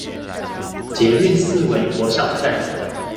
捷運四維國小站